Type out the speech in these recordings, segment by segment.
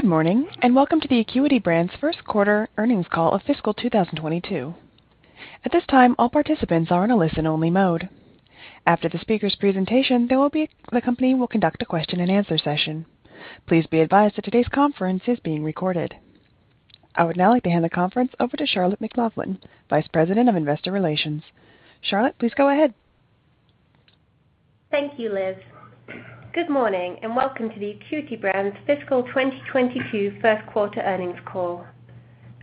Good morning, and welcome to the Acuity Brands first quarter earnings call of fiscal 2022. At this time, all participants are in a listen only mode. After the speaker's presentation, the company will conduct a question-and-answer session. Please be advised that today's conference is being recorded. I would now like to hand the conference over to Charlotte McLaughlin, Vice President of Investor Relations. Charlotte, please go ahead. Thank you, Liz. Good morning, and welcome to the Acuity Brands fiscal 2022 first quarter earnings call.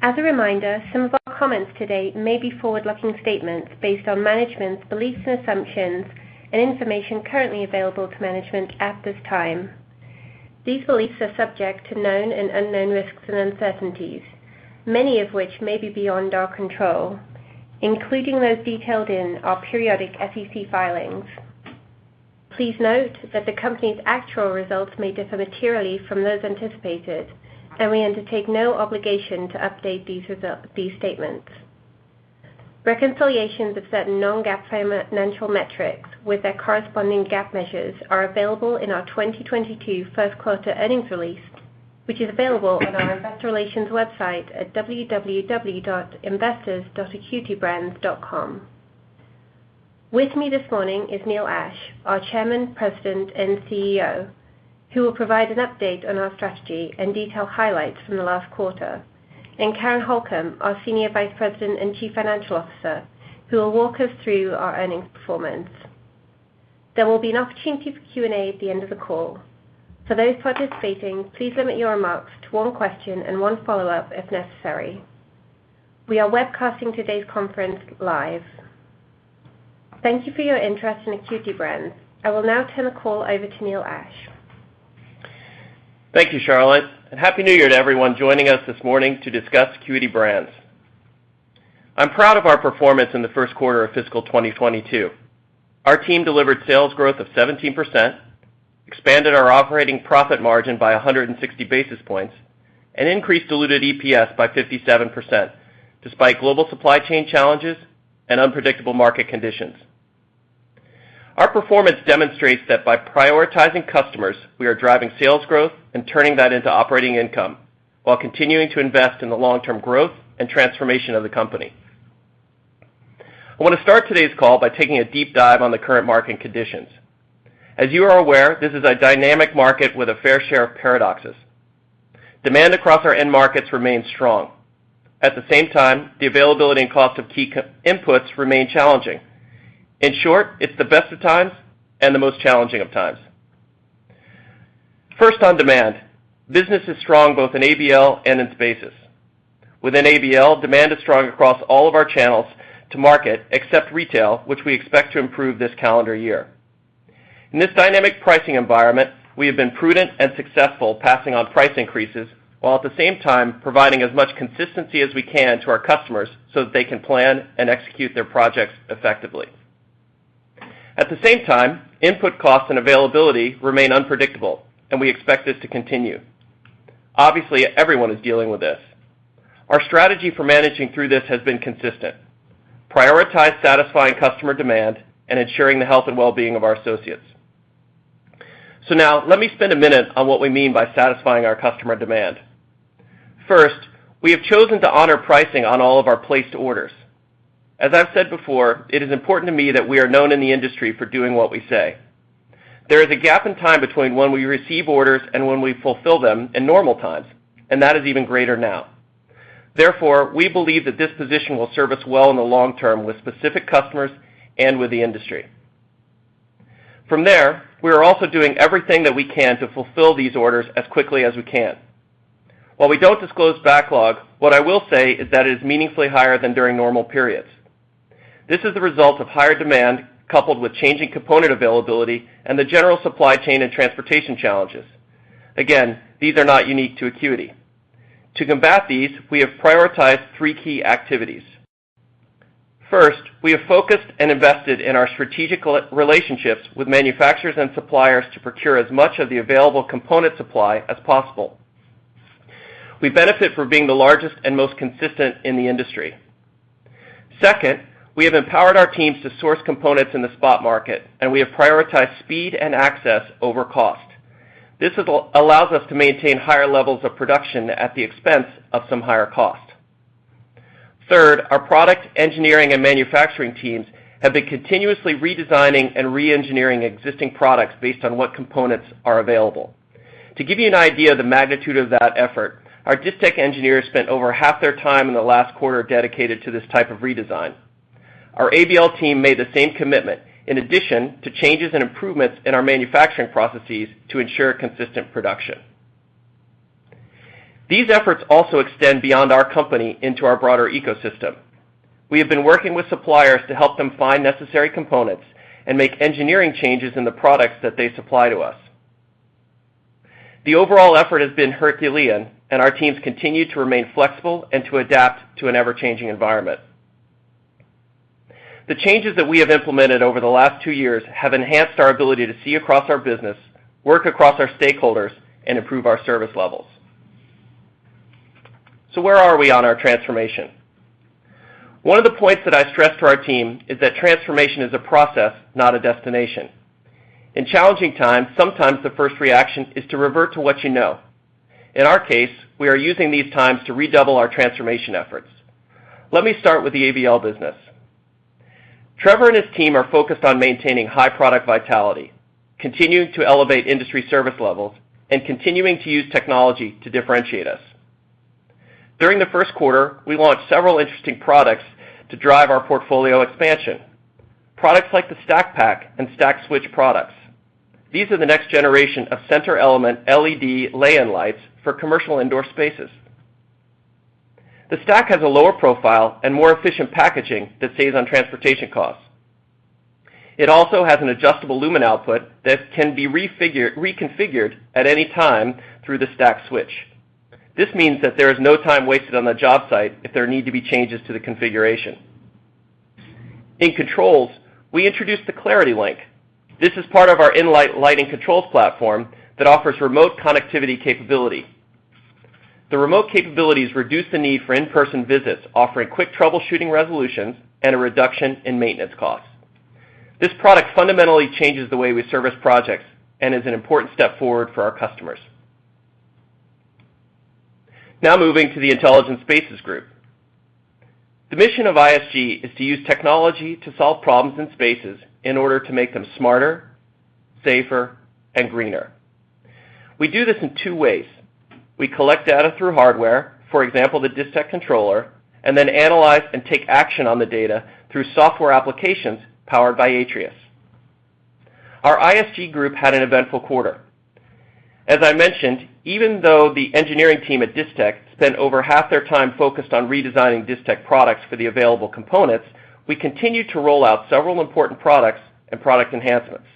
As a reminder, some of our comments today may be forward-looking statements based on management's beliefs and assumptions and information currently available to management at this time. These beliefs are subject to known and unknown risks and uncertainties, many of which may be beyond our control, including those detailed in our periodic SEC filings. Please note that the company's actual results may differ materially from those anticipated, and we undertake no obligation to update these statements. Reconciliations of certain Non-GAAP financial metrics with their corresponding GAAP measures are available in our 2022 first quarter earnings release, which is available on our investor relations website at www.investors.acuitybrands.com. With me this morning is Neil Ashe, our Chairman, President, and CEO, who will provide an update on our strategy and detail highlights from the last quarter, and Karen Holcom, our Senior Vice President and Chief Financial Officer, who will walk us through our earnings performance. There will be an opportunity for Q&A at the end of the call. For those participating, please limit your remarks to one question and one follow-up if necessary. We are webcasting today's conference live. Thank you for your interest in Acuity Brands. I will now turn the call over to Neil Ashe. Thank you, Charlotte, and Happy New Year to everyone joining us this morning to discuss Acuity Brands. I'm proud of our performance in the first quarter of fiscal 2022. Our team delivered sales growth of 17%, expanded our operating profit margin by 160 basis points, and increased diluted EPS by 57% despite global supply chain challenges and unpredictable market conditions. Our performance demonstrates that by prioritizing customers, we are driving sales growth and turning that into operating income while continuing to invest in the long-term growth and transformation of the company. I wanna start today's call by taking a deep dive on the current market conditions. As you are aware, this is a dynamic market with a fair share of paradoxes. Demand across our end markets remains strong. At the same time, the availability and cost of key inputs remain challenging. In short, it's the best of times and the most challenging of times. First, on demand. Business is strong both in ABL and in Spaces. Within ABL, demand is strong across all of our channels to market except retail, which we expect to improve this calendar year. In this dynamic pricing environment, we have been prudent and successful passing on price increases, while at the same time providing as much consistency as we can to our customers so that they can plan and execute their projects effectively. At the same time, input costs and availability remain unpredictable, and we expect this to continue. Obviously, everyone is dealing with this. Our strategy for managing through this has been consistent. Prioritize satisfying customer demand and ensuring the health and well-being of our associates. Now let me spend a minute on what we mean by satisfying our customer demand. First, we have chosen to honor pricing on all of our placed orders. As I've said before, it is important to me that we are known in the industry for doing what we say. There is a gap in time between when we receive orders and when we fulfill them in normal times, and that is even greater now. Therefore, we believe that this position will serve us well in the long term with specific customers and with the industry. From there, we are also doing everything that we can to fulfill these orders as quickly as we can. While we don't disclose backlog, what I will say is that it is meaningfully higher than during normal periods. This is the result of higher demand coupled with changing component availability and the general supply chain and transportation challenges. Again, these are not unique to Acuity. To combat these, we have prioritized three key activities. First, we have focused and invested in our strategic relationships with manufacturers and suppliers to procure as much of the available component supply as possible. We benefit from being the largest and most consistent in the industry. Second, we have empowered our teams to source components in the spot market, and we have prioritized speed and access over cost. This allows us to maintain higher levels of production at the expense of some higher cost. Third, our product engineering and manufacturing teams have been continuously redesigning and re-engineering existing products based on what components are available. To give you an idea of the magnitude of that effort, our Distech engineers spent over half their time in the last quarter dedicated to this type of redesign. Our ABL team made the same commitment in addition to changes and improvements in our manufacturing processes to ensure consistent production. These efforts also extend beyond our company into our broader ecosystem. We have been working with suppliers to help them find necessary components and make engineering changes in the products that they supply to us. The overall effort has been Herculean, and our teams continue to remain flexible and to adapt to an ever-changing environment. The changes that we have implemented over the last two years have enhanced our ability to see across our business, work across our stakeholders, and improve our service levels. Where are we on our transformation? One of the points that I stress to our team is that transformation is a process, not a destination. In challenging times, sometimes the first reaction is to revert to what you know. In our case, we are using these times to redouble our transformation efforts. Let me start with the ABL business. Trevor and his team are focused on maintaining high product vitality, continuing to elevate industry service levels, and continuing to use technology to differentiate us. During the first quarter, we launched several interesting products to drive our portfolio expansion. Products like the STACK Pack and STACK Switch products. These are the next generation of center element LED lay-in lights for commercial indoor spaces. The Stack has a lower profile and more efficient packaging that saves on transportation costs. It also has an adjustable lumen output that can be reconfigured at any time through the STACK Switch. This means that there is no time wasted on the job site if there need to be changes to the configuration. In controls, we introduced the Clarity Link. This is part of our nLight lighting controls platform that offers remote connectivity capability. The remote capabilities reduce the need for in-person visits, offering quick troubleshooting resolutions and a reduction in maintenance costs. This product fundamentally changes the way we service projects and is an important step forward for our customers. Now moving to the Intelligent Spaces Group. The mission of ISG is to use technology to solve problems in spaces in order to make them smarter, safer, and greener. We do this in two ways. We collect data through hardware, for example, the Distech controller, and then analyze and take action on the data through software applications powered by Atrius. Our ISG group had an eventful quarter. As I mentioned, even though the engineering team at Distech spent over half their time focused on redesigning Distech products for the available components, we continued to roll out several important products and product enhancements.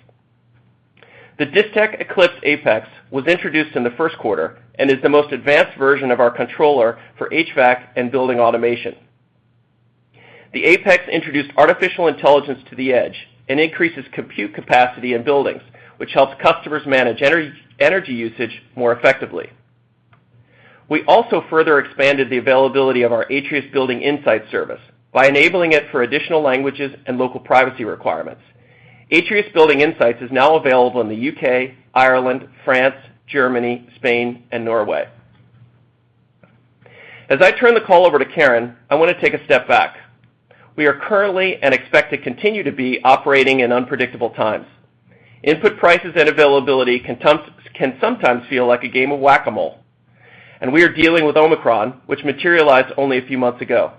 The Distech ECLYPSE APEX was introduced in the first quarter and is the most advanced version of our controller for HVAC and building automation. The APEX introduced artificial intelligence to the Edge and increases compute capacity in buildings, which helps customers manage energy usage more effectively. We also further expanded the availability of our Atrius Building Insights service by enabling it for additional languages and local privacy requirements. Atrius Building Insights is now available in the U.K., Ireland, France, Germany, Spain, and Norway. As I turn the call over to Karen, I wanna take a step back. We are currently, and expect to continue to be, operating in unpredictable times. Input prices and availability can sometimes feel like a game of Whack-A-Mole. We are dealing with Omicron, which materialized only a few months ago.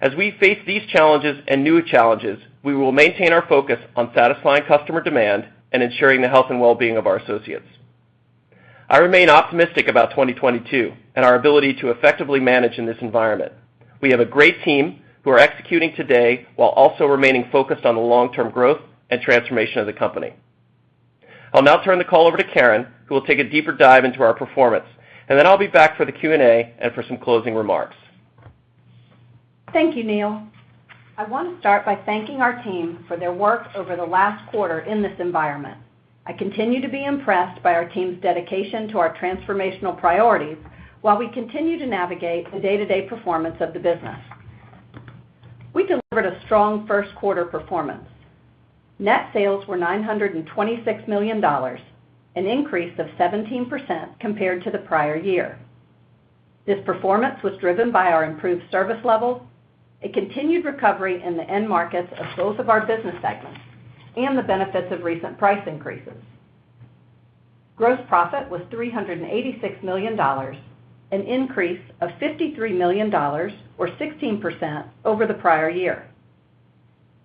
As we face these challenges and new challenges, we will maintain our focus on satisfying customer demand and ensuring the health and well-being of our associates. I remain optimistic about 2022 and our ability to effectively manage in this environment. We have a great team who are executing today while also remaining focused on the long-term growth and transformation of the company. I'll now turn the call over to Karen, who will take a deeper dive into our performance, and then I'll be back for the Q&A and for some closing remarks. Thank you, Neil. I want to start by thanking our team for their work over the last quarter in this environment. I continue to be impressed by our team's dedication to our transformational priorities while we continue to navigate the day-to-day performance of the business. We delivered a strong first quarter performance. Net sales were $926 million, an increase of 17% compared to the prior year. This performance was driven by our improved service levels, a continued recovery in the end markets of both of our business segments, and the benefits of recent price increases. Gross profit was $386 million, an increase of $53 million or 16% over the prior year.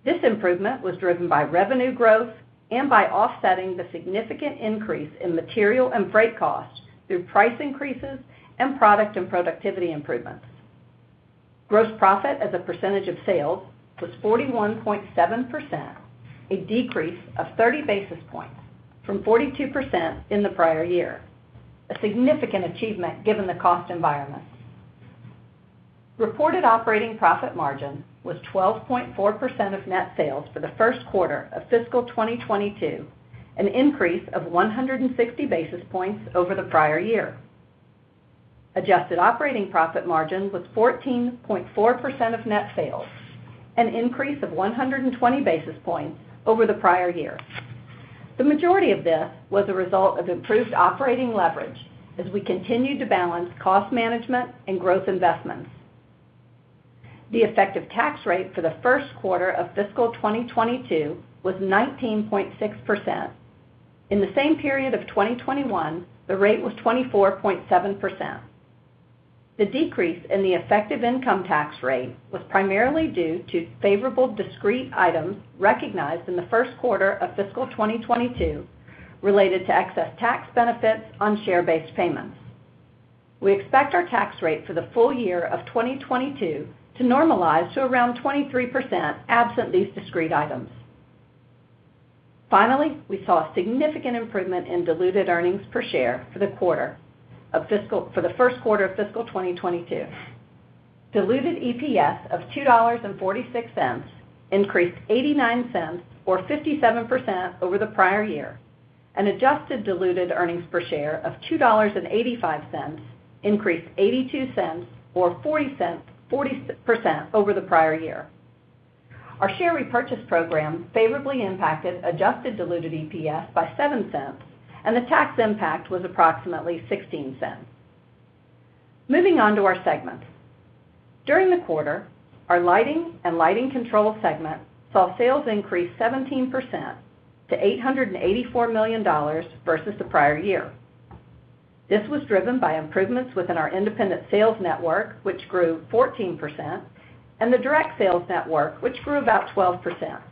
This improvement was driven by revenue growth and by offsetting the significant increase in material and freight costs through price increases and product and productivity improvements. Gross profit as a percentage of sales was 41.7%, a decrease of 30 basis points from 42% in the prior year, a significant achievement given the cost environment. Reported operating profit margin was 12.4% of net sales for the first quarter of fiscal 2022, an increase of 160 basis points over the prior year. Adjusted operating profit margin was 14.4% of net sales, an increase of 120 basis points over the prior year. The majority of this was a result of improved operating leverage as we continued to balance cost management and growth investments. The effective tax rate for the first quarter of fiscal 2022 was 19.6%. In the same period of 2021, the rate was 24.7%. The decrease in the effective income tax rate was primarily due to favorable discrete items recognized in the first quarter of fiscal 2022 related to excess tax benefits on share-based payments. We expect our tax rate for the full year of 2022 to normalize to around 23% absent these discrete items. Finally, we saw a significant improvement in diluted earnings per share for the first quarter of fiscal 2022. Diluted EPS of $2.46, increased $0.89 or 57% over the prior year, and adjusted diluted earnings per share of $2.85, increased $0.82 or 40% over the prior year. Our share repurchase program favorably impacted adjusted diluted EPS by $0.07, and the tax impact was approximately $0.16. Moving on to our segment. During the quarter, our lighting and lighting control segment saw sales increase 17% to $884 million versus the prior year. This was driven by improvements within our independent sales network, which grew 14%, and the direct sales network, which grew about 12%.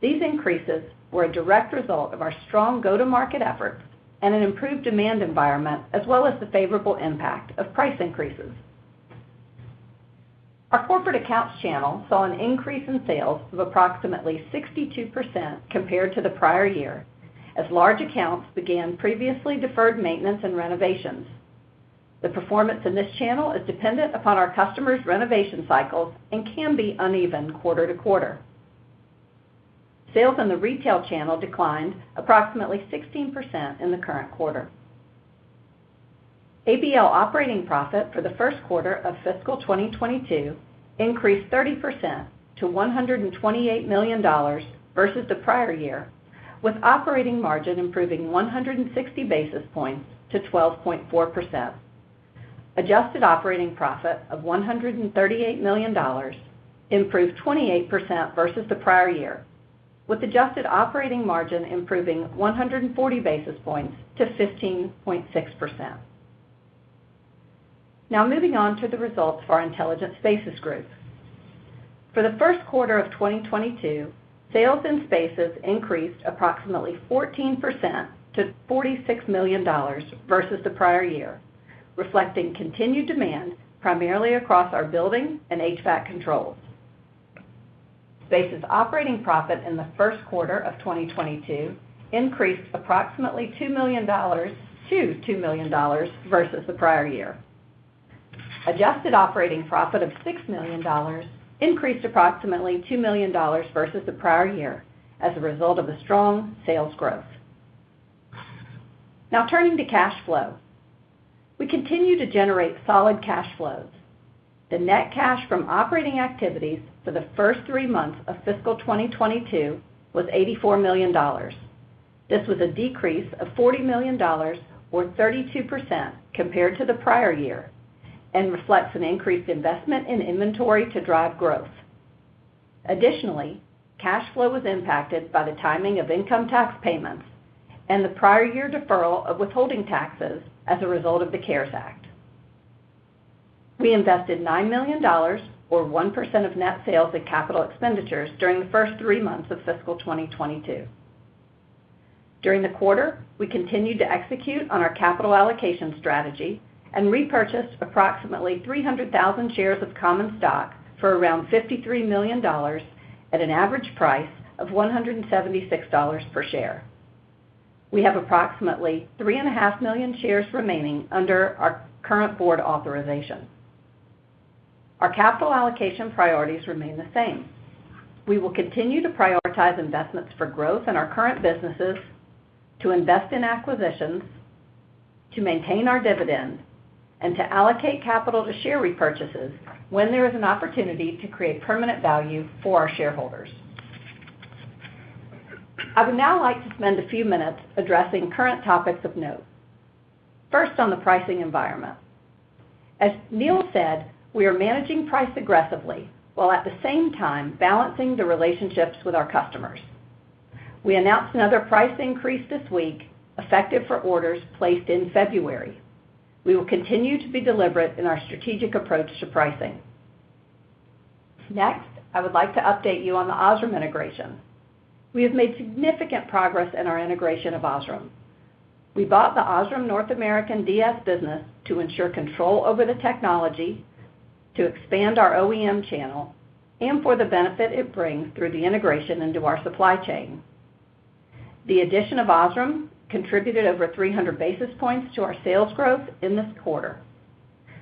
These increases were a direct result of our strong go-to-market efforts and an improved demand environment, as well as the favorable impact of price increases. Our corporate accounts channel saw an increase in sales of approximately 62% compared to the prior year, as large accounts began previously deferred maintenance and renovations. The performance in this channel is dependent upon our customers' renovation cycles and can be uneven quarter to quarter. Sales in the retail channel declined approximately 16% in the current quarter. ABL operating profit for the first quarter of fiscal 2022 increased 30% to $128 million versus the prior year, with operating margin improving 160 basis points to 12.4%. Adjusted operating profit of $138 million improved 28% versus the prior year, with adjusted operating margin improving 140 basis points to 15.6%. Now, moving on to the results of our Intelligent Spaces Group. For the first quarter of 2022, sales in Spaces increased approximately 14% to $46 million versus the prior year, reflecting continued demand primarily across our building and HVAC controls. Spaces operating profit in the first quarter of 2022 increased approximately $2 million-$2 million versus the prior year. Adjusted operating profit of $6 million increased approximately $2 million versus the prior year as a result of strong sales growth. Now turning to cash flow. We continue to generate solid cash flows. The net cash from operating activities for the first three months of fiscal 2022 was $84 million. This was a decrease of $40 million or 32% compared to the prior year and reflects an increased investment in inventory to drive growth. Additionally, cash flow was impacted by the timing of income tax payments and the prior year deferral of withholding taxes as a result of the CARES Act. We invested $9 million or 1% of net sales in capital expenditures during the first three months of fiscal 2022. During the quarter, we continued to execute on our capital allocation strategy and repurchased approximately 300,000 shares of common stock for around $53 million at an average price of $176 per share. We have approximately 3.5 million shares remaining under our current board authorization. Our capital allocation priorities remain the same. We will continue to prioritize investments for growth in our current businesses, to invest in acquisitions, to maintain our dividend, and to allocate capital to share repurchases when there is an opportunity to create permanent value for our shareholders. I would now like to spend a few minutes addressing current topics of note. First, on the pricing environment. As Neil said, we are managing price aggressively, while at the same time balancing the relationships with our customers. We announced another price increase this week, effective for orders placed in February. We will continue to be deliberate in our strategic approach to pricing. Next, I would like to update you on the OSRAM integration. We have made significant progress in our integration of OSRAM. We bought the OSRAM North American DS business to ensure control over the technology, to expand our OEM channel, and for the benefit it brings through the integration into our supply chain. The addition of OSRAM contributed over 300 basis points to our sales growth in this quarter.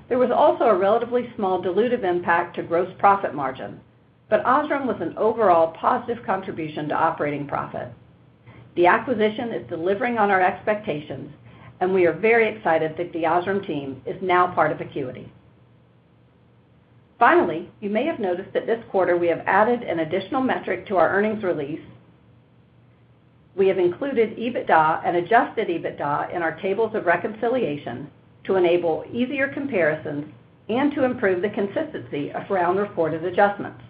There was also a relatively small dilutive impact to gross profit margin, but OSRAM was an overall positive contribution to operating profit. The acquisition is delivering on our expectations, and we are very excited that the OSRAM team is now part of Acuity. Finally, you may have noticed that this quarter we have added an additional metric to our earnings release. We have included EBITDA and adjusted EBITDA in our tables of reconciliation to enable easier comparisons and to improve the consistency around reported adjustments.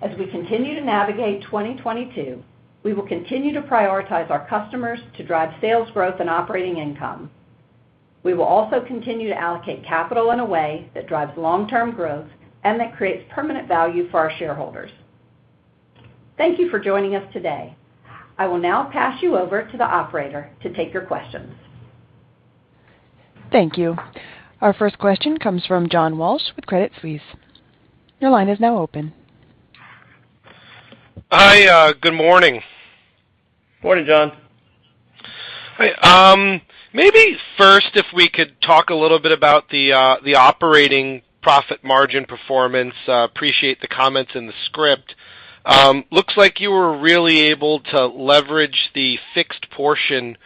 As we continue to navigate 2022, we will continue to prioritize our customers to drive sales growth and operating income. We will also continue to allocate capital in a way that drives long-term growth and that creates permanent value for our shareholders. Thank you for joining us today. I will now pass you over to the operator to take your questions. Thank you. Our first question comes from John Walsh with Credit Suisse. Your line is now open. Hi, good morning. Morning, John. Hi. Maybe first, if we could talk a little bit about the operating profit margin performance. Appreciate the comments in the script. Looks like you were really able to leverage the fixed portion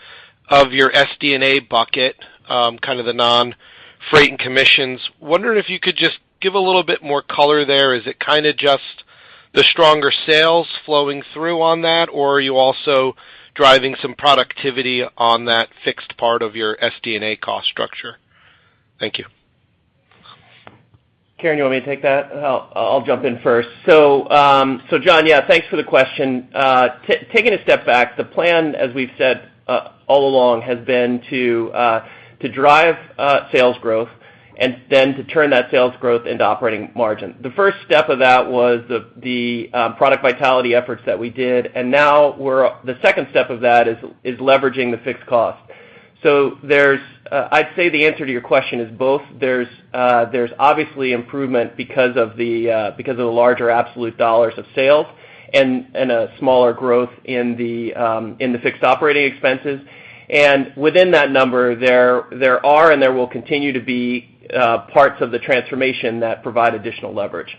of your SD&A bucket, kind of the non-freight and commissions. Wondering if you could just give a little bit more color there. Is it kinda just the stronger sales flowing through on that, or are you also driving some productivity on that fixed part of your SD&A cost structure? Thank you. Karen, you want me to take that? I'll jump in first. John, yeah, thanks for the question. Taking a step back, the plan, as we've said all along, has been to drive sales growth and then to turn that sales growth into operating margin. The first step of that was the product vitality efforts that we did. Now, the second step of that is leveraging the fixed cost. I'd say the answer to your question is both. There's obviously improvement because of the larger absolute dollars of sales and a smaller growth in the fixed operating expenses. Within that number, there are and there will continue to be parts of the transformation that provide additional leverage.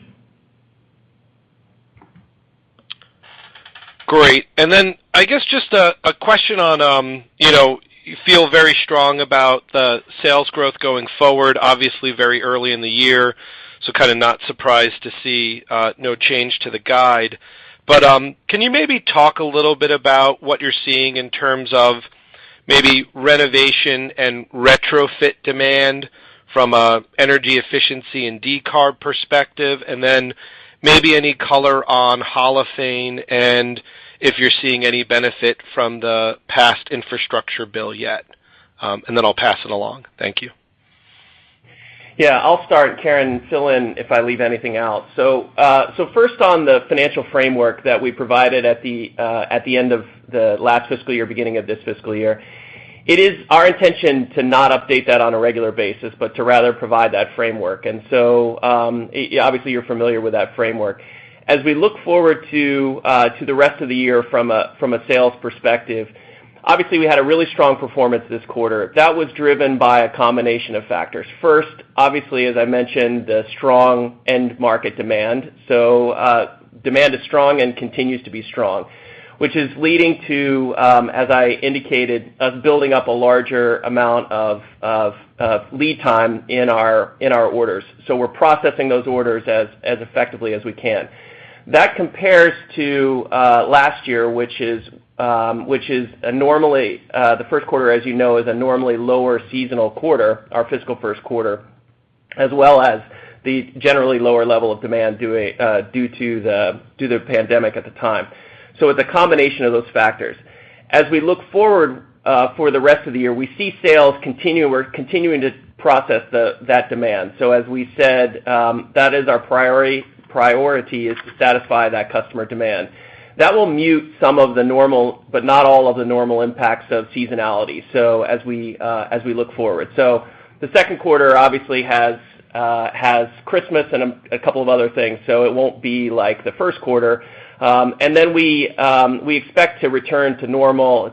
Great. Then I guess just a question on, you know, you feel very strong about the sales growth going forward. Obviously very early in the year, so kinda not surprised to see no change to the guide. Can you maybe talk a little bit about what you're seeing in terms of maybe renovation and retrofit demand from a energy efficiency and decarb perspective? Then maybe any color on Holophane and if you're seeing any benefit from the past infrastructure bill yet. Then I'll pass it along. Thank you. Yeah. I'll start, Karen, fill in if I leave anything out. So first on the financial framework that we provided at the end of the last fiscal year, beginning of this fiscal year, it is our intention to not update that on a regular basis, but to rather provide that framework. Obviously, you're familiar with that framework. As we look forward to the rest of the year from a sales perspective, obviously we had a really strong performance this quarter. That was driven by a combination of factors. First, obviously, as I mentioned, the strong end market demand. Demand is strong and continues to be strong, which is leading to, as I indicated, us building up a larger amount of lead time in our orders. We're processing those orders as effectively as we can. That compares to last year, which is the first quarter, as you know, is a normally lower seasonal quarter, our fiscal first quarter, as well as the generally lower level of demand due to the pandemic at the time. It's a combination of those factors. As we look forward for the rest of the year, we see sales continue. We're continuing to process that demand. As we said, that is our priority is to satisfy that customer demand. That will mute some of the normal, but not all of the normal impacts of seasonality, as we look forward. The second quarter obviously has Christmas and a couple of other things, so it won't be like the first quarter. We expect to return to normal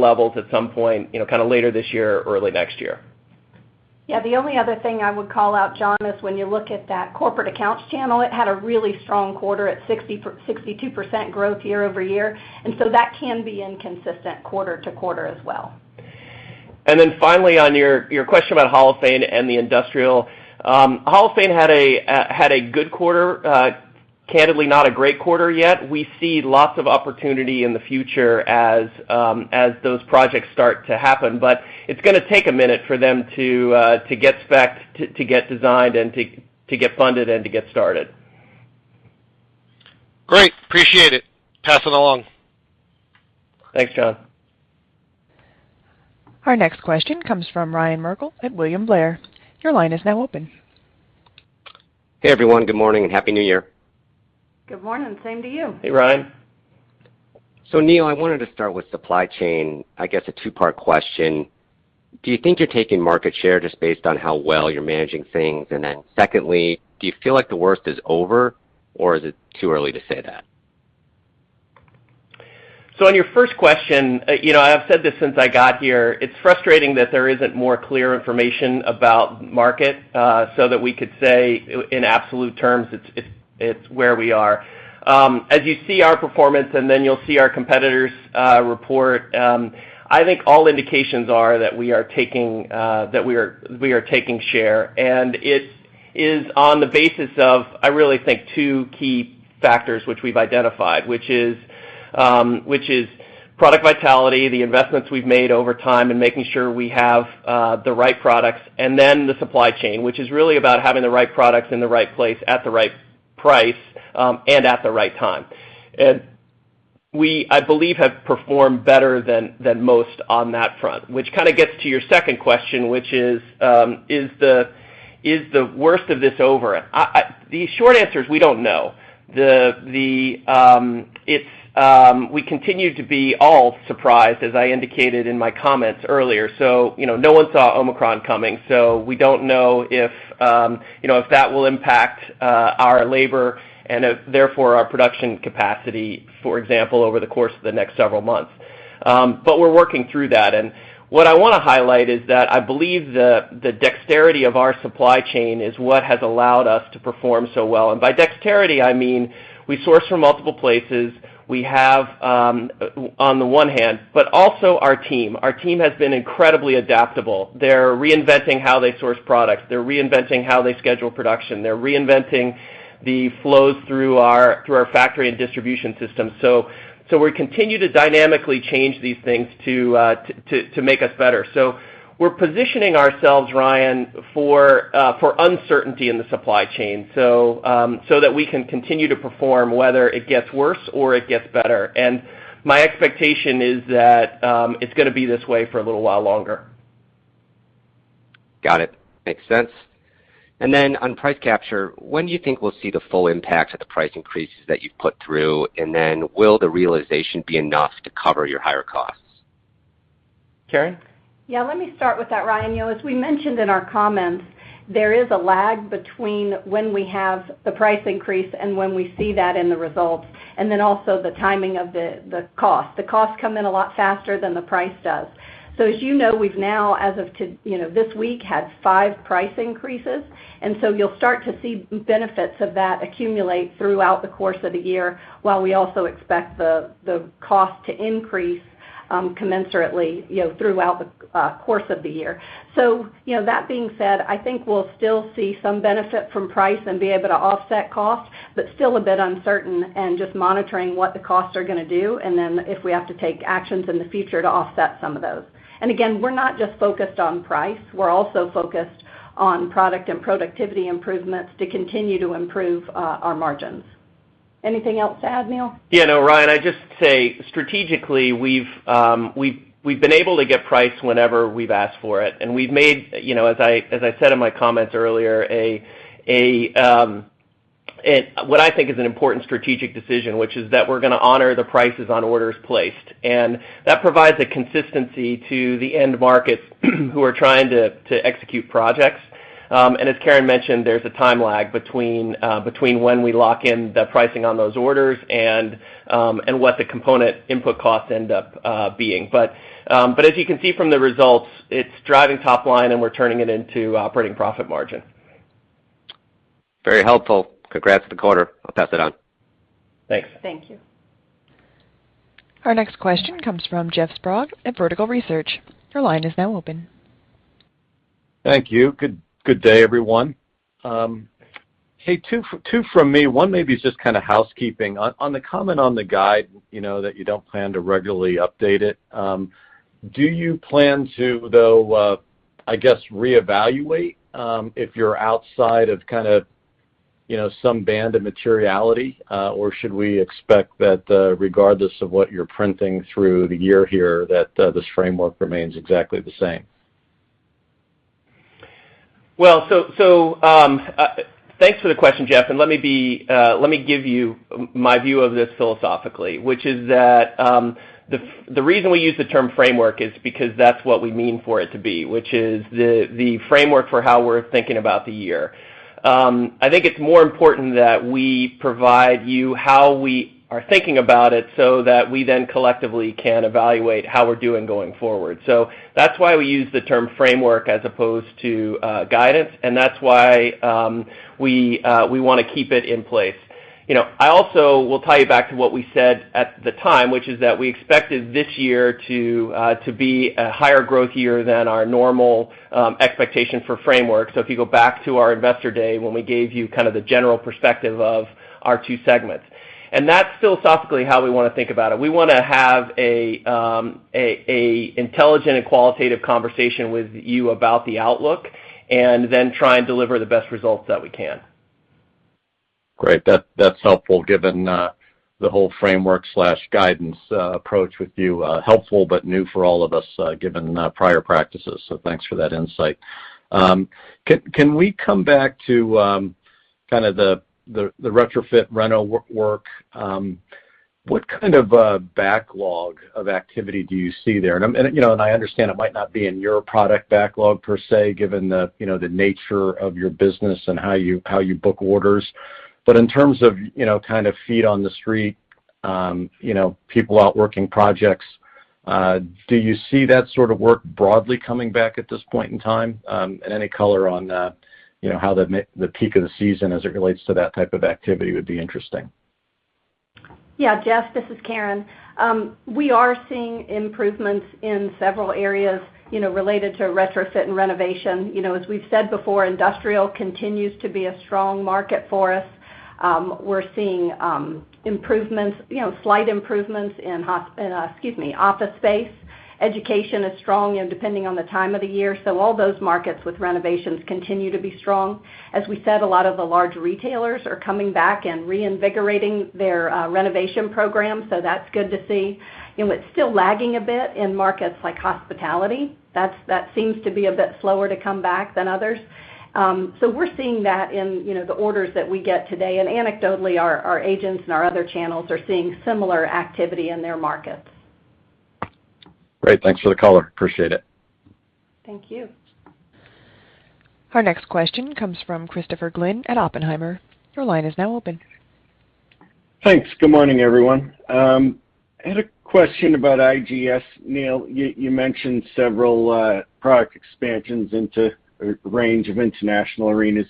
levels at some point, you know, kinda later this year or early next year. Yeah. The only other thing I would call out, John, is when you look at that corporate accounts channel, it had a really strong quarter at 62% growth year-over-year. That can be inconsistent quarter-to-quarter as well. Then finally, on your question about Holophane and the industrial. Holophane had a good quarter. Candidly, not a great quarter yet. We see lots of opportunity in the future as those projects start to happen. But it's gonna take a minute for them to get spec, to get designed and to get funded and to get started. Great. Appreciate it. Pass it along. Thanks, John. Our next question comes from Ryan Merkel at William Blair. Your line is now open. Hey, everyone. Good morning and happy New Year. Good morning. Same to you. Hey, Ryan. Neil, I wanted to start with supply chain. I guess a two-part question. Do you think you're taking market share just based on how well you're managing things? Secondly, do you feel like the worst is over, or is it too early to say that? On your first question, I've said this since I got here, it's frustrating that there isn't more clear information about market, so that we could say in absolute terms it's where we are. As you see our performance, then you'll see our competitors report, I think all indications are that we are taking share. It is on the basis of, I really think two key factors which we've identified, which is product vitality, the investments we've made over time and making sure we have the right products, and then the supply chain, which is really about having the right products in the right place at the right price, and at the right time. We, I believe, have performed better than most on that front, which kinda gets to your second question, which is the worst of this over? The short answer is we don't know. We continue to be all surprised, as I indicated in my comments earlier. You know, no one saw Omicron coming, so we don't know if, you know, if that will impact our labor and if therefore our production capacity, for example, over the course of the next several months. But we're working through that. What I wanna highlight is that I believe the dexterity of our supply chain is what has allowed us to perform so well. By dexterity, I mean, we source from multiple places. We have, on the one hand, but also our team. Our team has been incredibly adaptable. They're reinventing how they source products. They're reinventing how they schedule production. They're reinventing the flows through our factory and distribution system. We continue to dynamically change these things to make us better. We're positioning ourselves, Ryan, for uncertainty in the supply chain so that we can continue to perform whether it gets worse or it gets better. My expectation is that it's gonna be this way for a little while longer. Got it. Makes sense. On price capture, when do you think we'll see the full impact of the price increases that you've put through? Will the realization be enough to cover your higher costs? Karen? Yeah, let me start with that, Ryan. You know, as we mentioned in our comments, there is a lag between when we have the price increase and when we see that in the results, and then also the timing of the cost. The costs come in a lot faster than the price does. As you know, we've now, as of today, you know, this week, had five price increases, and so you'll start to see benefits of that accumulate throughout the course of the year, while we also expect the cost to increase commensurately, you know, throughout the course of the year. You know, that being said, I think we'll still see some benefit from price and be able to offset costs, but still a bit uncertain and just monitoring what the costs are gonna do, and then if we have to take actions in the future to offset some of those. Again, we're not just focused on price. We're also focused on product and productivity improvements to continue to improve our margins. Anything else to add, Neil? Yeah. No, Ryan, I'd just say strategically, we've been able to get price whenever we've asked for it. We've made, you know, as I said in my comments earlier, what I think is an important strategic decision, which is that we're gonna honor the prices on orders placed. That provides a consistency to the end markets who are trying to execute projects. As Karen mentioned, there's a time lag between when we lock in the pricing on those orders and what the component input costs end up being. As you can see from the results, it's driving top line, and we're turning it into operating profit margin. Very helpful. Congrats on the quarter. I'll pass it on. Thanks. Thank you. Our next question comes from Jeff Sprague at Vertical Research. Your line is now open. Thank you. Good day, everyone. Hey, two from me, one maybe is just kind of housekeeping. On the comment on the guide, you know, that you don't plan to regularly update it, do you plan to though, I guess, reevaluate if you're outside of kind of, you know, some band of materiality? Or should we expect that, regardless of what you're printing through the year here, that this framework remains exactly the same? Thanks for the question, Jeff, and let me give you my view of this philosophically, which is that the reason we use the term framework is because that's what we mean for it to be, which is the framework for how we're thinking about the year. I think it's more important that we provide you how we are thinking about it so that we then collectively can evaluate how we're doing going forward. That's why we use the term framework as opposed to guidance, and that's why we wanna keep it in place. You know, I also will tie you back to what we said at the time, which is that we expected this year to be a higher growth year than our normal expectation for framework, so if you go back to our investor day when we gave you kind of the general perspective of our two segments. That's philosophically how we wanna think about it. We wanna have a intelligent and qualitative conversation with you about the outlook and then try and deliver the best results that we can. Great. That's helpful given the whole framework guidance approach with you. Helpful but new for all of us, given prior practices, so thanks for that insight. Can we come back to kind of the retrofit reno work? What kind of a backlog of activity do you see there? I understand it might not be in your product backlog per se, given the nature of your business and how you book orders. In terms of kind of feet on the street, you know, people out working projects, do you see that sort of work broadly coming back at this point in time? Any color on, you know, how the peak of the season as it relates to that type of activity would be interesting. Yeah, Jeff, this is Karen Holcom. We are seeing improvements in several areas, you know, related to retrofit and renovation. You know, as we've said before, industrial continues to be a strong market for us. We're seeing improvements, you know, slight improvements in office space. Education is strong and depending on the time of the year. All those markets with renovations continue to be strong. As we said, a lot of the large retailers are coming back and reinvigorating their renovation program, so that's good to see. You know, it's still lagging a bit in markets like hospitality. That seems to be a bit slower to come back than others. We're seeing that in, you know, the orders that we get today, and anecdotally, our agents and our other channels are seeing similar activity in their markets. Great. Thanks for the color. Appreciate it. Thank you. Our next question comes from Christopher Glynn at Oppenheimer. Your line is now open. Thanks. Good morning, everyone. I had a question about ISG. Neil, you mentioned several product expansions into a range of international arenas.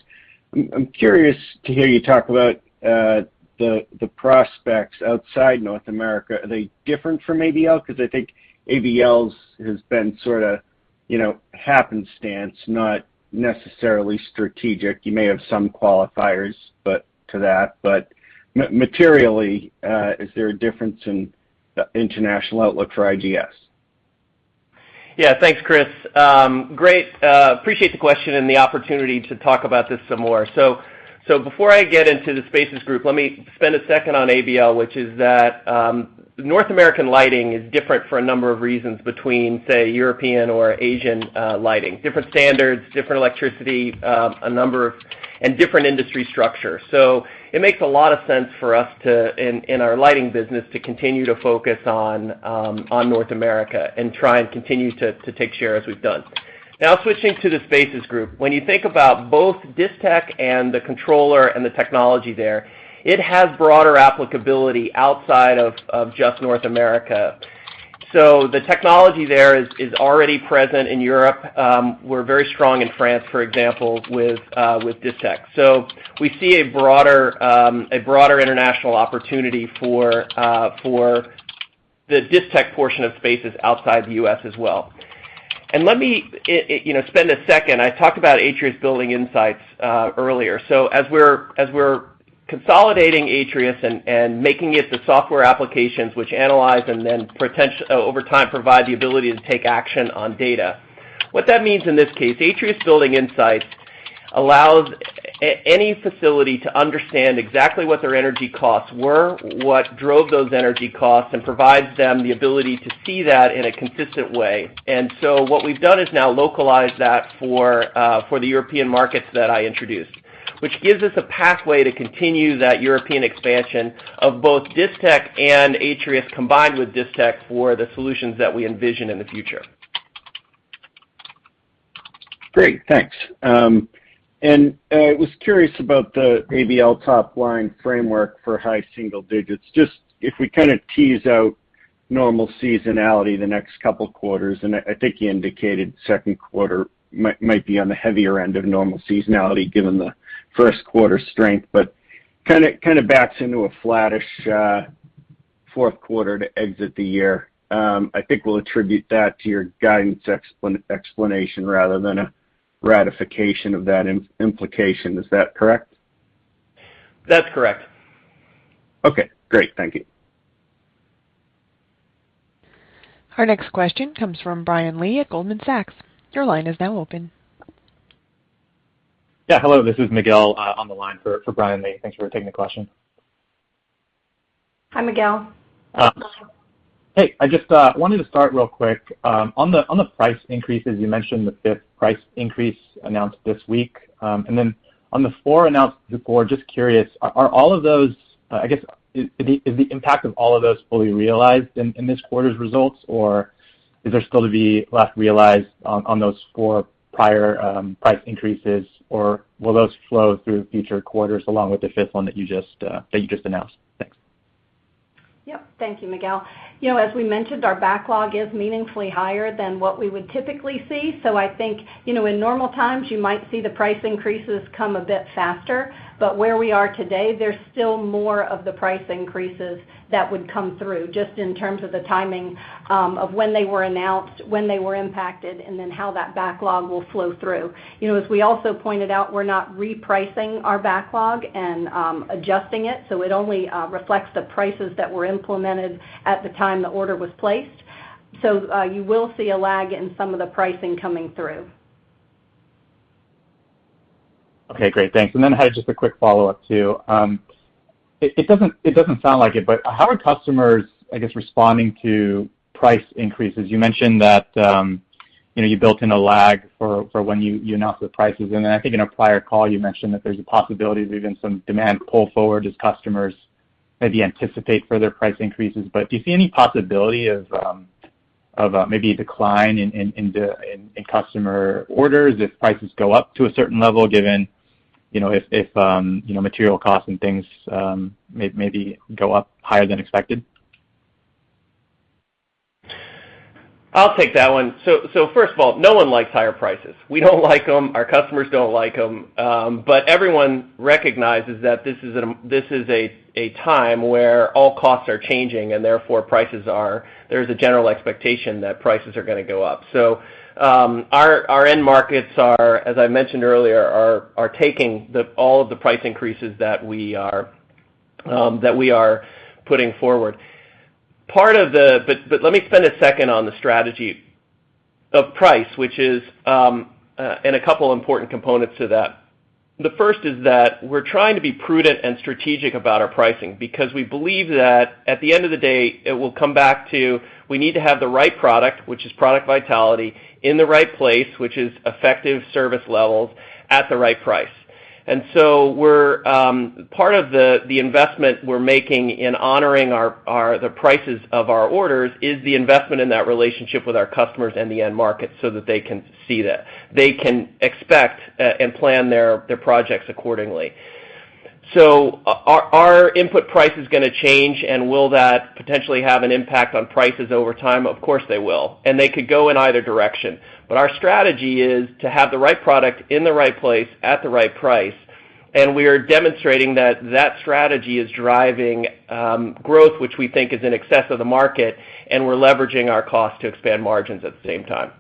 I'm curious to hear you talk about the prospects outside North America. Are they different from ABL? 'Cause I think ABL's has been sorta, you know, happenstance, not necessarily strategic. You may have some qualifiers, but to that, but materially, is there a difference in international outlook for ISG? Yeah, thanks, Chris. Great. Appreciate the question and the opportunity to talk about this some more. Before I get into the Spaces group, let me spend a second on ABL, which is that North American lighting is different for a number of reasons between, say, European or Asian lighting. Different standards, different electricity, and different industry structure. It makes a lot of sense for us to, in our lighting business, continue to focus on North America and try and continue to take share as we've done. Now, switching to the Spaces group. When you think about both Distech and the controller and the technology there, it has broader applicability outside of just North America. The technology there is already present in Europe. We're very strong in France, for example, with Distech. We see a broader international opportunity for the Distech portion of Spaces outside the U.S. as well. Let me, you know, spend a second. I talked about Atrius Building Insights earlier. As we're consolidating Atrius and making it the software applications which analyze and then over time provide the ability to take action on data, what that means in this case, Atrius Building Insights allows any facility to understand exactly what their energy costs were, what drove those energy costs, and provides them the ability to see that in a consistent way. What we've done is now localize that for the European markets that I introduced, which gives us a pathway to continue that European expansion of both Distech and Atrius combined with Distech for the solutions that we envision in the future. Great, thanks. I was curious about the ABL top line framework for high single digits. Just if we kinda tease out normal seasonality the next couple quarters, I think you indicated second quarter might be on the heavier end of normal seasonality given the first quarter strength. Kinda backs into a flattish fourth quarter to exit the year. I think we'll attribute that to your guidance explanation rather than a ratification of that implication. Is that correct? That's correct. Okay, great. Thank you. Our next question comes from Brian Lee at Goldman Sachs. Your line is now open. Yeah, hello, this is Miguel on the line for Brian Lee. Thanks for taking the question. Hi, Miguel. Hey, I just wanted to start real quick on the price increases. You mentioned the fifth price increase announced this week. On the four announced before, just curious, I guess, is the impact of all of those fully realized in this quarter's results? Or is there still to be left realized on those four prior price increases, or will those flow through future quarters along with the fifth one that you just announced? Thanks. Yep. Thank you, Miguel. You know, as we mentioned, our backlog is meaningfully higher than what we would typically see. I think, you know, in normal times, you might see the price increases come a bit faster, but where we are today, there's still more of the price increases that would come through just in terms of the timing, of when they were announced, when they were impacted, and then how that backlog will flow through. You know, as we also pointed out, we're not repricing our backlog and, adjusting it, so it only, reflects the prices that were implemented at the time the order was placed. You will see a lag in some of the pricing coming through. Okay, great. Thanks. Then I had just a quick follow-up, too. It doesn't sound like it, but how are customers, I guess, responding to price increases? You mentioned that you built in a lag for when you announce the prices. Then I think in a prior call you mentioned that there's a possibility of even some demand pull forward as customers maybe anticipate further price increases. But do you see any possibility of maybe a decline in the customer orders if prices go up to a certain level given if material costs and things maybe go up higher than expected? I'll take that one. First of all, no one likes higher prices. We don't like them, our customers don't like them. Everyone recognizes that this is a time where all costs are changing and therefore there is a general expectation that prices are gonna go up. Our end markets are, as I mentioned earlier, taking all of the price increases that we are putting forward. Let me spend a second on the strategy of price, which is, and a couple important components to that. The first is that we're trying to be prudent and strategic about our pricing because we believe that at the end of the day, it will come back to, we need to have the right product, which is product vitality, in the right place, which is effective service levels, at the right price. We're part of the investment we're making in honoring the prices of our orders is the investment in that relationship with our customers and the end market so that they can see that. They can expect and plan their projects accordingly. Are input prices gonna change? Will that potentially have an impact on prices over time? Of course, they will. They could go in either direction. Our strategy is to have the right product in the right place at the right price, and we are demonstrating that that strategy is driving growth, which we think is in excess of the market, and we're leveraging our costs to expand margins at the same time.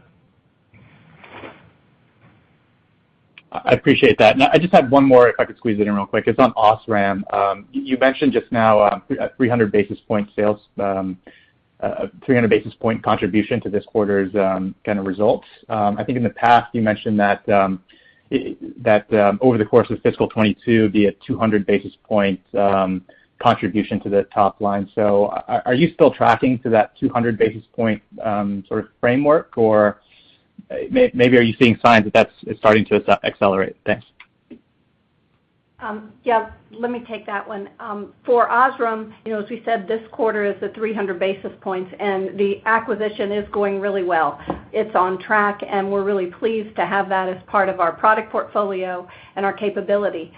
I appreciate that. Now I just have one more, if I could squeeze it in real quick. It's on OSRAM. You mentioned just now, 300 basis point sales, 300 basis point contribution to this quarter's kind of results. I think in the past, you mentioned that over the course of fiscal 2022, be a 200 basis point contribution to the top line. Are you still tracking to that 200 basis point sort of framework? Or maybe are you seeing signs that that's, it's starting to accelerate? Thanks. Yeah, let me take that one. For OSRAM, you know, as we said, this quarter is the 300 basis points, and the acquisition is going really well. It's on track, and we're really pleased to have that as part of our product portfolio and our capability.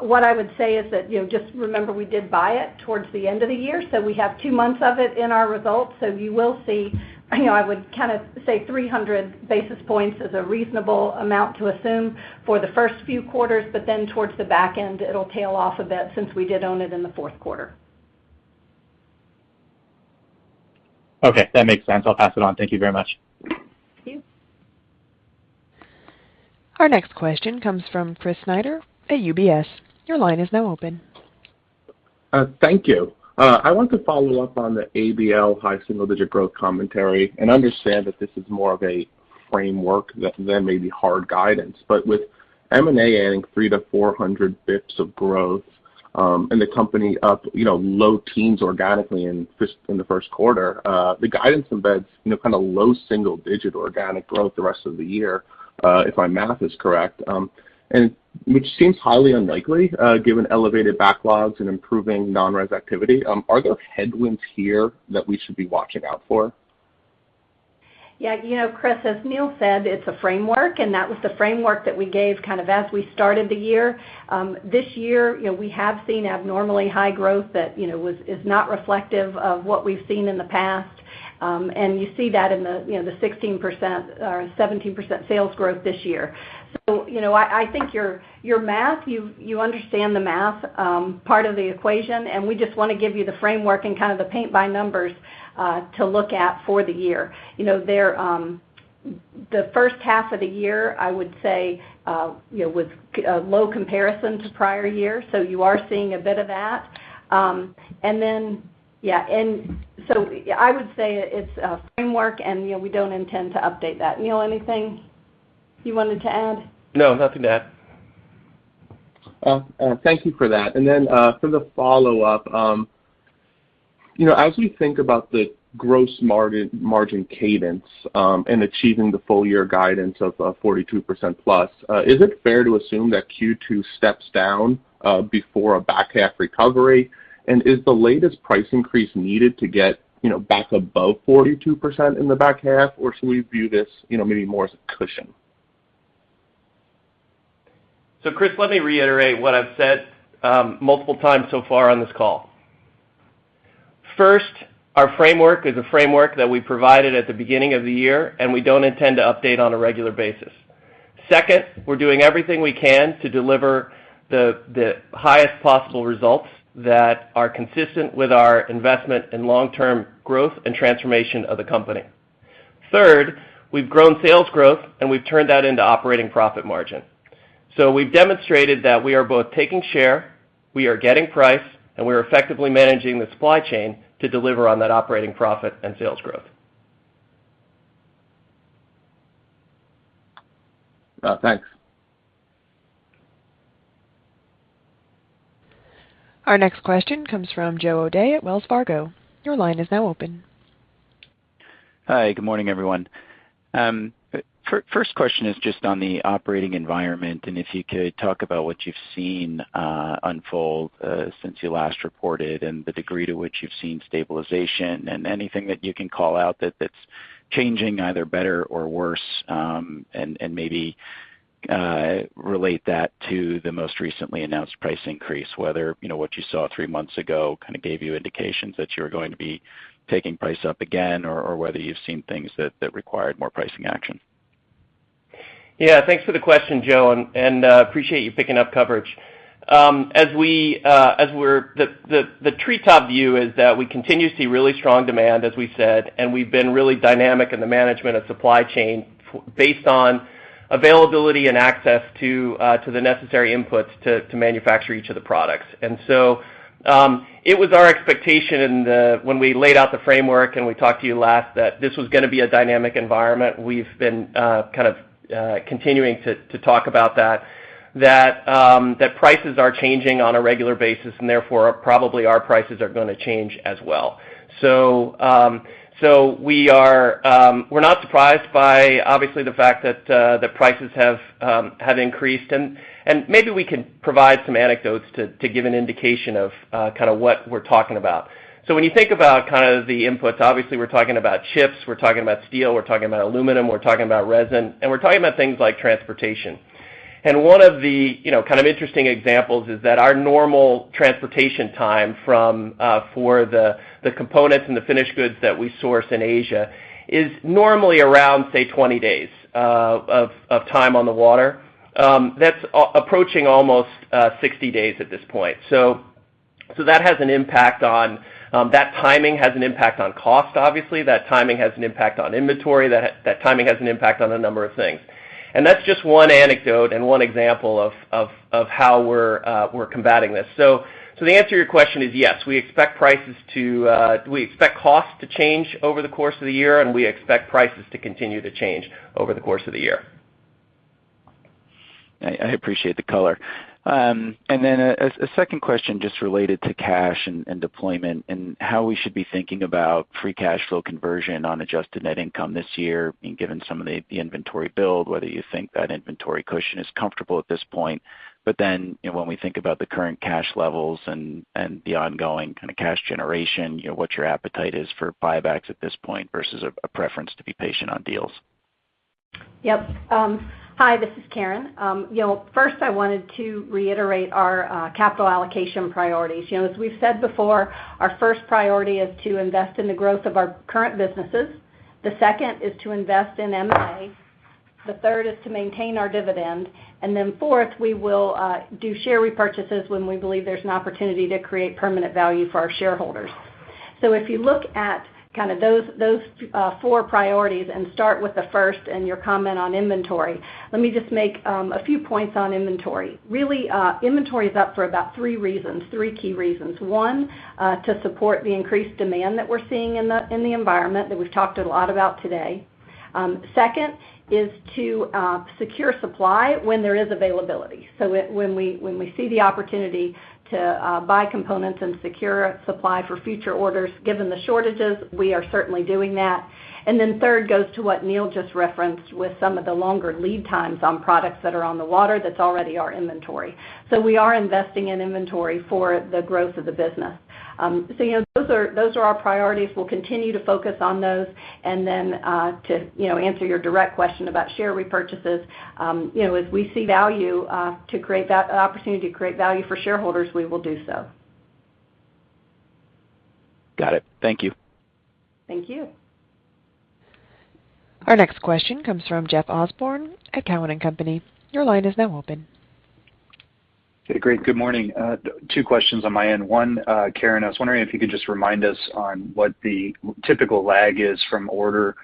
What I would say is that, you know, just remember we did buy it towards the end of the year, so we have two months of it in our results. You will see, you know, I would kind of say 300 basis points is a reasonable amount to assume for the first few quarters, but then towards the back end, it'll tail off a bit since we did own it in the fourth quarter. Okay, that makes sense. I'll pass it on. Thank you very much. Thank you. Our next question comes from Chris Snyder at UBS. Your line is now open. Thank you. I want to follow up on the ABL high single digit growth commentary and understand that this is more of a framework than maybe hard guidance. With M&A adding 300-400 basis points of growth, and the company up, you know, low teens organically in the first quarter, the guidance embeds, you know, kind of low single digit organic growth the rest of the year, if my math is correct, and which seems highly unlikely, given elevated backlogs and improving non-res activity. Are there headwinds here that we should be watching out for? Yeah. You know, Chris, as Neil said, it's a framework, and that was the framework that we gave kind of as we started the year. This year, you know, we have seen abnormally high growth that, you know, is not reflective of what we've seen in the past. You see that in the, you know, the 16% or 17% sales growth this year. You know, I think your math, you understand the math part of the equation, and we just wanna give you the framework and kind of the paint by numbers to look at for the year. You know, there, the first half of the year, I would say, you know, was low comparison to prior year, so you are seeing a bit of that. Yeah. I would say it's a framework, and, you know, we don't intend to update that. Neil, anything you wanted to add? No, nothing to add. Well, thank you for that. For the follow-up, you know, as you think about the gross margin cadence, and achieving the full year guidance of 42%+, is it fair to assume that Q2 steps down before a back half recovery? Is the latest price increase needed to get, you know, back above 42% in the back half? Or should we view this, you know, maybe more as a cushion? Chris, let me reiterate what I've said multiple times so far on this call. First, our framework is a framework that we provided at the beginning of the year, and we don't intend to update on a regular basis. Second, we're doing everything we can to deliver the highest possible results that are consistent with our investment in long-term growth and transformation of the company. Third, we've grown sales growth, and we've turned that into operating profit margin. We've demonstrated that we are both taking share, we are getting price, and we are effectively managing the supply chain to deliver on that operating profit and sales growth. Thanks. Our next question comes from Joe O'Dea at Wells Fargo. Your line is now open. Hi, good morning, everyone. First question is just on the operating environment, and if you could talk about what you've seen unfold since you last reported and the degree to which you've seen stabilization and anything that you can call out that's changing either better or worse, and maybe relate that to the most recently announced price increase, whether, you know, what you saw three months ago kind of gave you indications that you're going to be taking price up again or whether you've seen things that required more pricing action. Yeah. Thanks for the question, Joe, and appreciate you picking up coverage. The treetop view is that we continue to see really strong demand, as we said, and we've been really dynamic in the management of supply chain based on availability and access to the necessary inputs to manufacture each of the products. It was our expectation when we laid out the framework and we talked to you last that this was gonna be a dynamic environment. We've been continuing to talk about that prices are changing on a regular basis, and therefore, probably our prices are gonna change as well. We're not surprised by obviously the fact that the prices have increased, and maybe we can provide some anecdotes to give an indication of kinda what we're talking about. When you think about kind of the inputs, obviously we're talking about chips, we're talking about steel, we're talking about aluminum, we're talking about resin, and we're talking about things like transportation. One of the, you know, kind of interesting examples is that our normal transportation time from for the components and the finished goods that we source in Asia is normally around, say, 20 days of time on the water. That's approaching almost 60 days at this point. That has an impact on that timing has an impact on cost, obviously. That timing has an impact on inventory. That timing has an impact on a number of things. That's just one anecdote and one example of how we're combating this. The answer to your question is, yes. We expect prices to, we expect costs to change over the course of the year, and we expect prices to continue to change over the course of the year. I appreciate the color. A second question just related to cash and deployment and how we should be thinking about free cash flow conversion on adjusted net income this year, I mean, given some of the inventory build, whether you think that inventory cushion is comfortable at this point. You know, when we think about the current cash levels and the ongoing kind of cash generation, you know, what your appetite is for buybacks at this point versus a preference to be patient on deals. Yep. Hi, this is Karen. You know, first I wanted to reiterate our capital allocation priorities. You know, as we've said before, our first priority is to invest in the growth of our current businesses. The second is to invest in M&A. The third is to maintain our dividend. Fourth, we will do share repurchases when we believe there's an opportunity to create permanent value for our shareholders. If you look at kind of those four priorities and start with the first and your comment on inventory, let me just make a few points on inventory. Really, inventory is up for about three reasons, three key reasons. One, to support the increased demand that we're seeing in the environment that we've talked a lot about today. Second is to secure supply when there is availability. When we see the opportunity to buy components and secure supply for future orders, given the shortages, we are certainly doing that. Then third goes to what Neil just referenced with some of the longer lead times on products that are on the water that's already our inventory. We are investing in inventory for the growth of the business. You know, those are our priorities. We'll continue to focus on those. Then, to answer your direct question about share repurchases, you know, if we see value to create that opportunity to create value for shareholders, we will do so. Got it. Thank you. Thank you. Our next question comes from Jeff Osborne at Cowen and Company. Your line is now open. Okay, great. Good morning. Two questions on my end. One, Karen, I was wondering if you could just remind us on what the typical lag is from order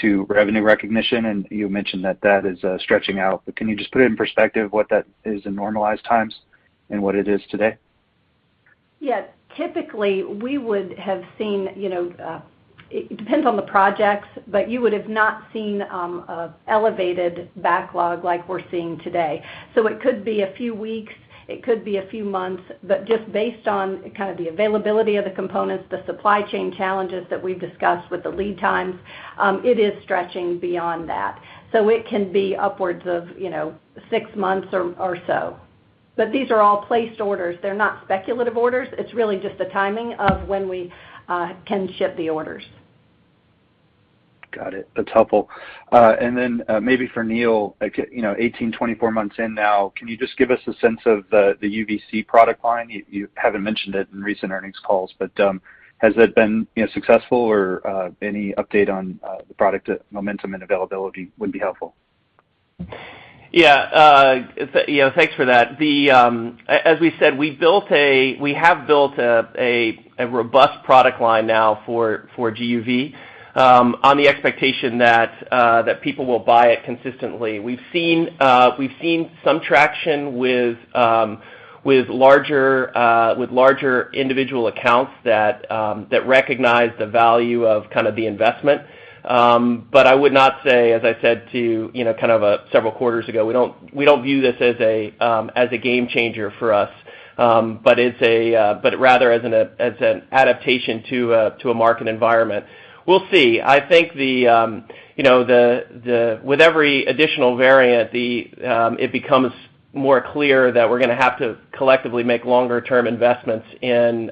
to revenue recognition, and you mentioned that is stretching out. Can you just put it in perspective what that is in normalized times and what it is today? Yeah. Typically, we would have seen, you know, it depends on the projects, but you would have not seen an elevated backlog like we're seeing today. It could be a few weeks, it could be a few months, but just based on kind of the availability of the components, the supply chain challenges that we've discussed with the lead times, it is stretching beyond that. It can be upwards of, you know, six months or so. These are all placed orders. They're not speculative orders. It's really just the timing of when we can ship the orders. Got it. That's helpful. Maybe for Neil, like, you know, 18 months-24 months in now, can you just give us a sense of the UVC product line? You haven't mentioned it in recent earnings calls, but has that been, you know, successful or any update on the product momentum and availability would be helpful. Yeah. You know, thanks for that. As we said, we have built a robust product line now for GUV on the expectation that people will buy it consistently. We've seen some traction with larger individual accounts that recognize the value of kind of the investment. But I would not say, as I said too, you know, kind of several quarters ago, we don't view this as a game changer for us, but rather as an adaptation to a market environment. We'll see. I think you know, with every additional variant, it becomes more clear that we're gonna have to collectively make longer term investments in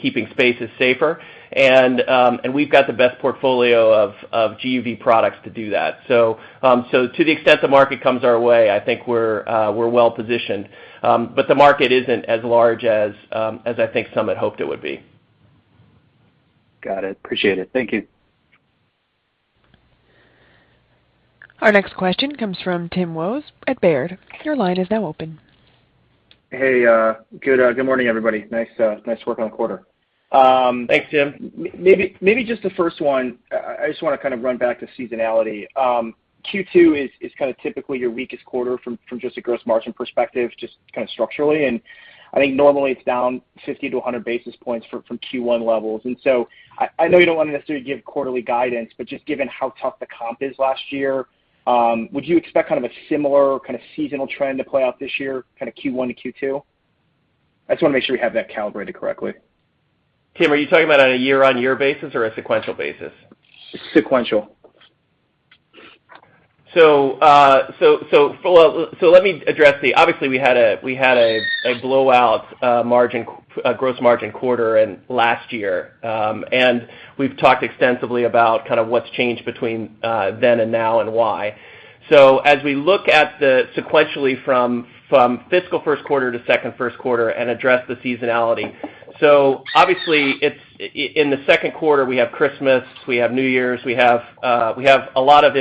keeping spaces safer. We've got the best portfolio of GUV products to do that. To the extent the market comes our way, I think we're well positioned. But the market isn't as large as I think some had hoped it would be. Got it. Appreciate it. Thank you. Our next question comes from Tim Wojs at Baird. Your line is now open. Hey, good morning, everybody. Nice work on the quarter. Thanks, Tim. Maybe just the first one, I just wanna kind of run back to seasonality. Q2 is kind of typically your weakest quarter from just a gross margin perspective, just kind of structurally. I think normally it's down 50 basis points-100 basis points from Q1 levels. I know you don't wanna necessarily give quarterly guidance, but just given how tough the comp is last year, would you expect kind of a similar kind of seasonal trend to play out this year, kind of Q1-Q2? I just wanna make sure we have that calibrated correctly. Tim, are you talking about on a year-on-year basis or a sequential basis? Sequential. Let me address the. Obviously, we had a blowout gross margin quarter in last year. And we've talked extensively about kind of what's changed between then and now and why. As we look at it sequentially from fiscal first quarter to second quarter and address the seasonality, obviously, it's in the second quarter, we have Christmas, we have New Year's, we have a lot of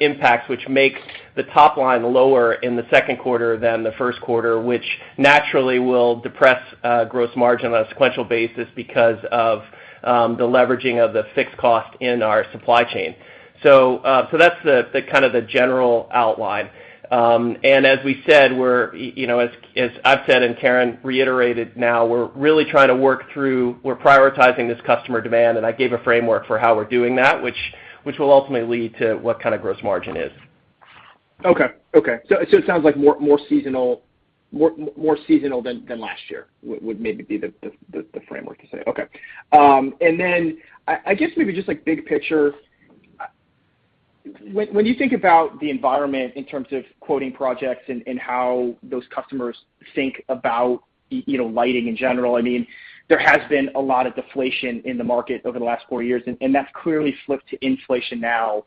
impacts which makes the top line lower in the second quarter than the first quarter, which naturally will depress gross margin on a sequential basis because of the leveraging of the fixed cost in our supply chain. That's the kind of the general outline. As we said, we're, you know, as I've said and Karen reiterated now, we're really trying to work through. We're prioritizing this customer demand, and I gave a framework for how we're doing that, which will ultimately lead to what kind of gross margin is. Okay. It sounds like more seasonal than last year would maybe be the framework to say. Okay. I guess maybe just like big picture, when you think about the environment in terms of quoting projects and how those customers think about you know, lighting in general, I mean, there has been a lot of deflation in the market over the last four years, and that's clearly flipped to inflation now.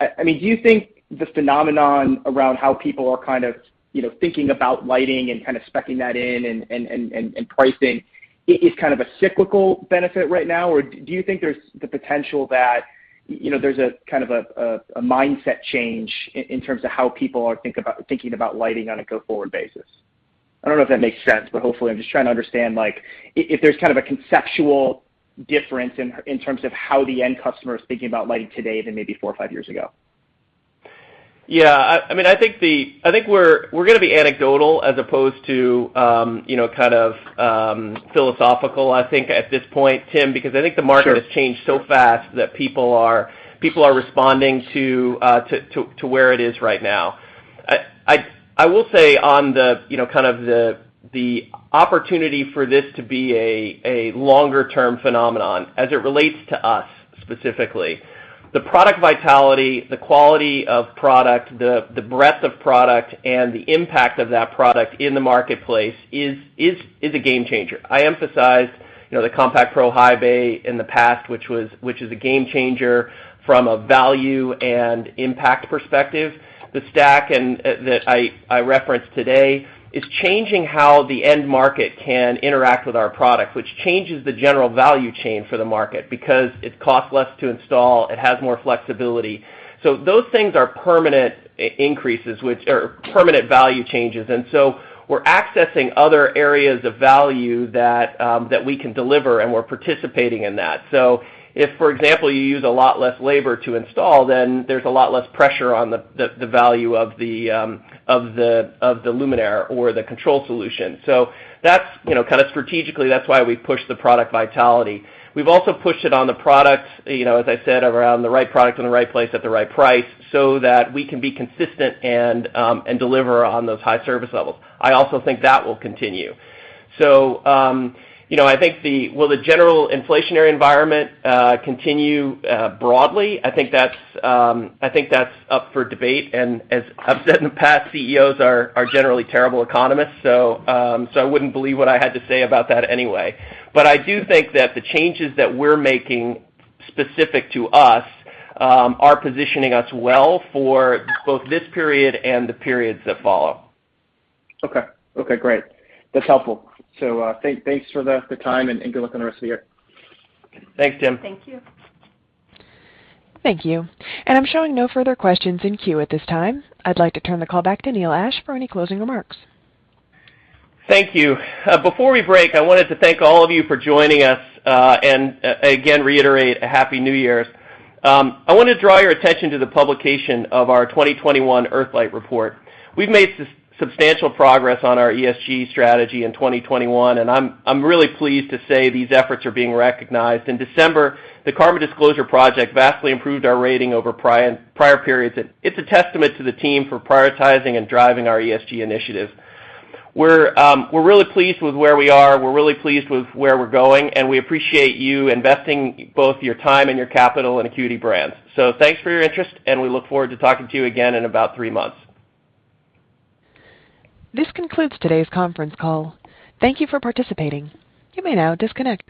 I mean, do you think this phenomenon around how people are kind of you know, thinking about lighting and kind of specing that in and pricing is kind of a cyclical benefit right now? Do you think there's the potential that, you know, there's a kind of a mindset change in terms of how people are thinking about lighting on a go-forward basis? I don't know if that makes sense, but hopefully. I'm just trying to understand, like, if there's kind of a conceptual difference in terms of how the end customer is thinking about lighting today than maybe four or five years ago. Yeah. I mean, I think we're gonna be anecdotal as opposed to, you know, kind of, philosophical, I think, at this point, Tim. Sure. Because I think the market has changed so fast that people are responding to where it is right now. I will say on the, you know, kind of the opportunity for this to be a longer-term phenomenon as it relates to us specifically, the product vitality, the quality of product, the breadth of product, and the impact of that product in the marketplace is a game changer. I emphasized, you know, the Compact Pro High Bay in the past, which is a game changer from a value and impact perspective. The STACK and that I referenced today is changing how the end market can interact with our product, which changes the general value chain for the market because it costs less to install, it has more flexibility. Those things are permanent increases, which are permanent value changes. We're accessing other areas of value that we can deliver, and we're participating in that. If, for example, you use a lot less labor to install, then there's a lot less pressure on the value of the luminaire or the control solution. That's, you know, kinda strategically, that's why we've pushed the product vitality. We've also pushed it on the product, you know, as I said, around the right product in the right place at the right price, so that we can be consistent and deliver on those high service levels. I also think that will continue. You know, I think the general inflationary environment will continue broadly. I think that's up for debate. As I've said in the past, CEOs are generally terrible economists, so I wouldn't believe what I had to say about that anyway. I do think that the changes that we're making specific to us are positioning us well for both this period and the periods that follow. Okay. Okay, great. That's helpful. Thanks for the time, and good luck on the rest of the year. Thanks, Tim. Thank you. Thank you. I'm showing no further questions in queue at this time. I'd like to turn the call back to Neil Ashe for any closing remarks. Thank you. Before we break, I wanted to thank all of you for joining us, and again reiterate a happy New Year's. I wanna draw your attention to the publication of our 2021 EarthLIGHT report. We've made substantial progress on our ESG strategy in 2021, and I'm really pleased to say these efforts are being recognized. In December, the Carbon Disclosure Project vastly improved our rating over prior periods, and it's a testament to the team for prioritizing and driving our ESG initiatives. We're really pleased with where we are, we're really pleased with where we're going, and we appreciate you investing both your time and your capital in Acuity Brands. Thanks for your interest, and we look forward to talking to you again in about three months. This concludes today's conference call. Thank you for participating. You may now disconnect.